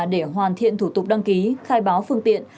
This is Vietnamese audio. để hoàn thiện thủ tục đăng ký khai báo phương tiện